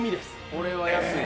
これは安い。